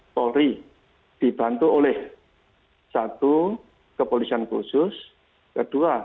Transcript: salah satu bentuk